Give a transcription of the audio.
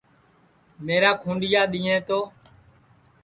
میرا کھُونڈِؔیا دؔیئیں تو